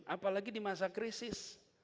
apalagi di masa krisis